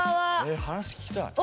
え話聞きたい。